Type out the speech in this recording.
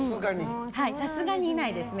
さすがにいないですね。